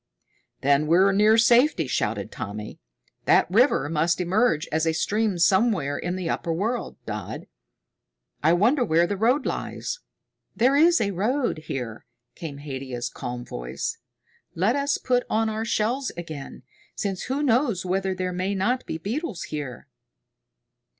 "Then we're near safety," shouted Tommy. "That river must emerge as a stream somewhere in the upper world, Dodd. I wonder where the road lies." "There is a road here," came Haidia's calm voice. "Let us put on our shells again, since who knows whether there may not be beetles here."